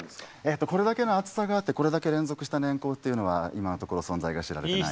これだけの厚さがあってこれだけ連続した年縞っていうのは今のところ存在が知られてない。